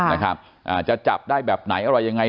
ได้โดยเร็วที่สุดนะครับจะจับได้แบบไหนอะไรยังไง